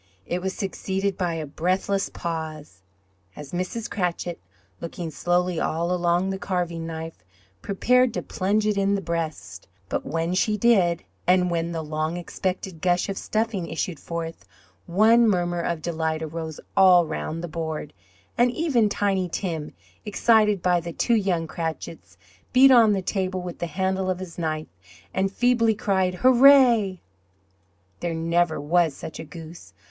It was succeeded by a breathless pause, as Mrs. Cratchit, looking slowly all along the carving knife, prepared to plunge it into the breast; but when she did, and when the long expected gush of stuffing issued forth, one murmur of delight arose all round the board, and even Tiny Tim, excited by the two young Cratchits, beat on the table with the handle of his knife, and feebly cried, "Hurrah!" There never was such a goose.